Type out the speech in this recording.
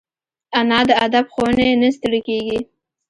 انا د ادب ښوونې نه ستړي کېږي